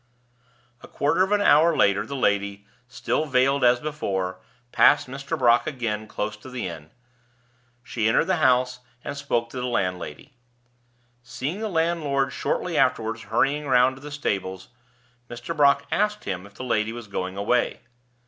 A quarter of an hour later the lady, still veiled as before, passed Mr. Brock again close to the inn. She entered the house, and spoke to the landlady. Seeing the landlord shortly afterward hurrying round to the stables, Mr. Brock asked him if the lady was going away.